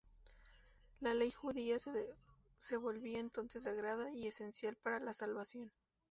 La ley judía se volvía entonces sagrada y esencial para la salvación.